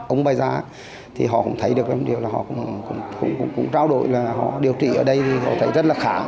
ông bà gia thì họ cũng thấy được họ cũng trao đổi là họ điều trị ở đây thì họ thấy rất là khá